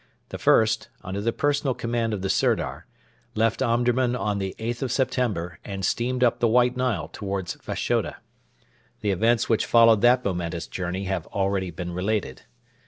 The first, under the personal command of the Sirdar, left Omdurman on the 8th of September, and steamed up the White Nile towards Fashoda. The events which followed that momentous journey have already been related.